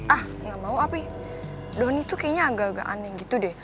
ah gak mau pi donny tuh kayaknya agak agak aneh gitu deh